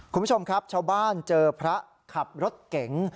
คุณผู้ชมครับชาวบ้านเจอพระขับรถเก๋ง